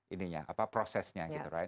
ini ya prosesnya gitu